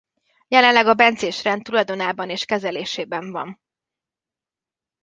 Jelenleg a bencés rend tulajdonában és kezelésében van.